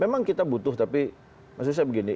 memang kita butuh tapi maksud saya begini